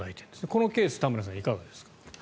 このケース田村さんいかがですか。